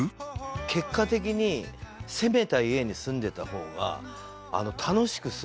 結果的に攻めた家に住んでいた方が楽しく過ごせる。